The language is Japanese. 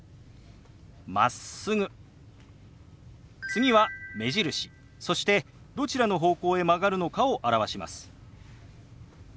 次は目印そしてどちらの方向へ曲がるのかを表します。